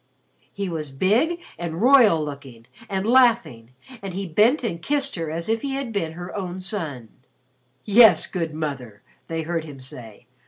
He was big and royal looking and laughing and he bent and kissed her as if he had been her own son. "Yes, good Mother," they heard him say.